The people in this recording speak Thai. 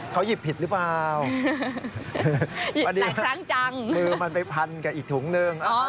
เขาหยิบผิดรึเปล่าหยิบพลังจังมันไปพันกับอีกถุงเนิ่งอ๋อ